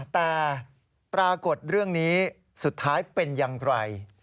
แต่ปรากฏเรื่องนี้สุดท้ายเป็นอย่างไร